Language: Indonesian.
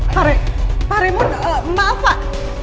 pak raymond maaf pak